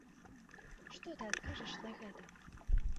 Што ты адкажаш на гэта?